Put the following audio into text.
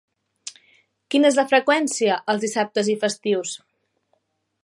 Quina és la freqüència els dissabtes i festius?